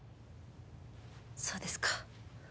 そうですか。